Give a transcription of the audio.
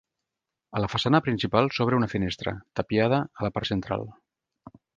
A la façana principal s'obre una finestra, tapiada, a la part central.